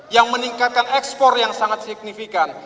yang meningkatkan ekspor yang sangat signifikan